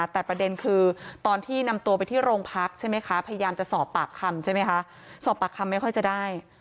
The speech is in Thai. แต่ประเด็นคือตอนที่นำตัวไปที่โรงพักใช่ไหมคะพยายามจะสอบปากคำใช่ไหมคะสอบปากคำไม่ค่อยจะได้